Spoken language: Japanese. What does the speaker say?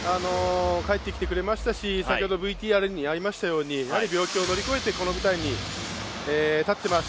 帰ってきてくれましたし先ほどＶＴＲにありましたようにやはり病気を乗り越えてこの舞台に立っています。